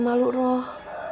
nggak tuh roh